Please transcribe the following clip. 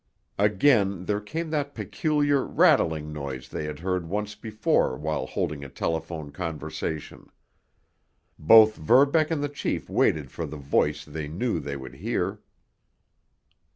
Again there came that peculiar, rattling noise they had heard once before while holding a telephone conversation. Both Verbeck and the chief waited for the voice they knew they would hear.